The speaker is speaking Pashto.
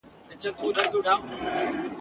که کتل یې چي مېړه یې یک تنها دی !.